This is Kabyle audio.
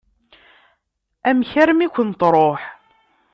Amek armi i kent-tṛuḥ?